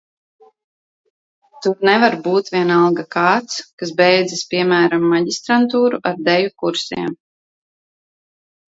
Tur nevar būt vienalga kāds, kas beidzis, piemēram, maģistrantūru ar deju kursiem.